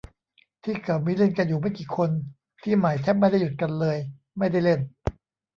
ที่เก่ามีเล่นอยู่ไม่กี่คน ที่ใหม่แทบไม่ได้หยุดกันเลยไม่ได้เล่น